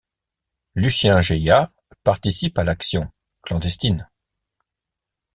Lucien Jayat, participe à l'action, clandestine.